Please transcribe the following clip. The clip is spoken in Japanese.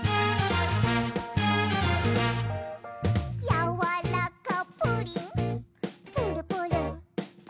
「やわらかプリンプルプルプルプル」